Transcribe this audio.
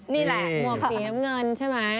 นี่แหละหมวกสีน้ำเงินใช่ไหม